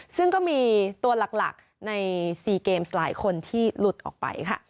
ซึ่งก็มีตัวหลักใน๔เกมส์หลายคนที่หลุดออกไปค่ะ